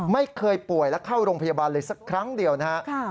ไม่เคยป่วยและเข้าโรงพยาบาลเลยสักครั้งเดียวนะครับ